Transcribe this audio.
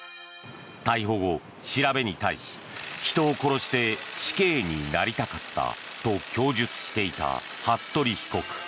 逮捕後、調べに対し人を殺して死刑になりたかったと供述していた服部被告。